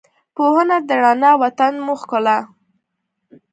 پوهنه ده رڼا، وطن ته مو ښکلا